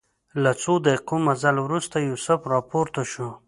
له څو دقیقو مزل وروسته یوسف راپورته شو.